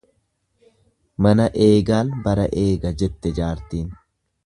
Mana eegaan bara eega jette jaartiin.